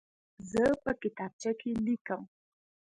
زه په کتابچه کې لیکم.